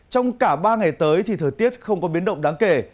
trong cả ba ngày tới thì thời tiết không có biến động đáng kể